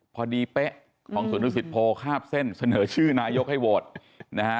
เป๊ะของสวนดุสิตโพคาบเส้นเสนอชื่อนายกให้โหวตนะฮะ